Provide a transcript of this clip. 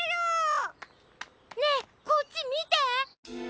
ねえこっちみて！